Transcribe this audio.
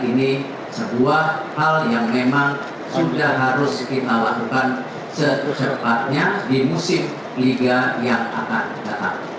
ini sebuah hal yang memang sudah harus kita lakukan secepatnya di musim liga yang akan datang